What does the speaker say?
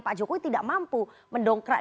pak jokowi tidak mampu mendongkrak